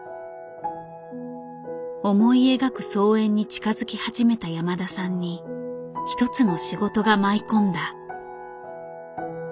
思い描く操演に近づき始めた山田さんに一つの仕事が舞い込んだ。